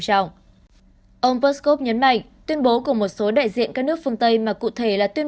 ông peskov nhấn mạnh tuyên bố của một số đại diện các nước phương tây mà cụ thể là tuyên